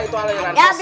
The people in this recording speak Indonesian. itu aliran pesat